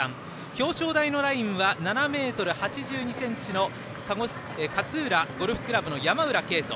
表彰台のラインは、７ｍ８２ｃｍ勝浦ゴルフ倶楽部の山浦渓斗。